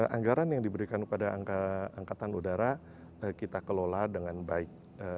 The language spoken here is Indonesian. anggaran yang diberikan kepada angkatan udara kita kelola dengan baik